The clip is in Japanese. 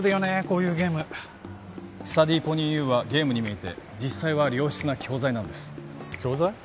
こういうゲームスタディーポニーＵはゲームに見えて実際は良質な教材なんです教材？